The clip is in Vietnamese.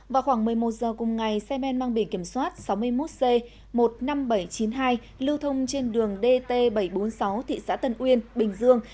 vào khoảng một mươi một giờ cùng ngày xe men mang bề kiểm soát sáu mươi một c một mươi năm nghìn bảy trăm chín mươi hai lưu thông trên đường dt bảy trăm bốn mươi sáu thị xã tân uyên bình dương